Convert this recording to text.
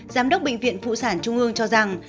giám đốc bệnh viện phụ sản trung ương cho rằng